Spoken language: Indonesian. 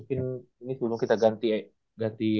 ini sebelum kita ganti